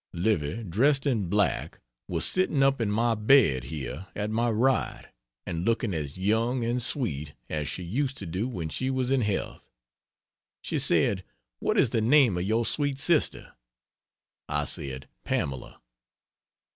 Livy, dressed in black, was sitting up in my bed (here) at my right and looking as young and sweet as she used to do when she was in health. She said: "what is the name of your sweet sister?" I said, "Pamela."